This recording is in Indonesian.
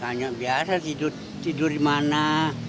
tanya biasa tidur di mana